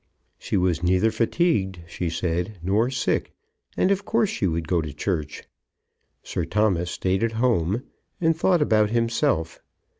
She was neither fatigued, she said, nor sick; and of course she would go to church. Sir Thomas stayed at home, and thought about himself.